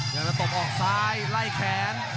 อย่างนั้นตบออกซ้ายไล่แขน